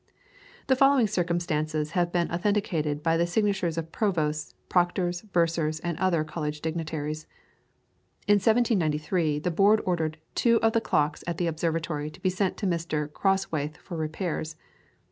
The following circumstances have been authenticated by the signatures of Provosts, Proctors, Bursars, and other College dignitaries: In 1793 the Board ordered two of the clocks at the observatory to be sent to Mr. Crosthwaite for repairs.